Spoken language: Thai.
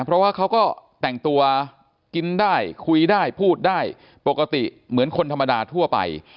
เพราะว่าเขาก็แต่งตัวกินได้คุยได้พูดได้ปกติเหมือนคนธรรมดาทั่วไป